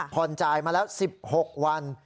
ผ่อนจ่ายมาแล้ว๑๖วัน